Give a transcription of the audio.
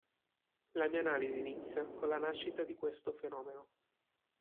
La mia analisi inizia con la nascita di questo fenomeno.